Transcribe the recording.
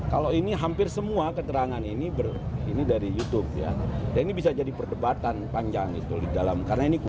kalau ini hampir semua keterangan ini dari youtube ya dan ini bisa jadi perdebatan panjang itu di dalam karena ini